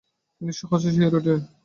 তিনি সহসা শিহরিয়া উঠিলেন।